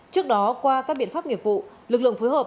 trước đó qua các biện pháp nghiệp vụ lực lượng phối hợp